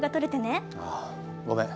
ああごめん。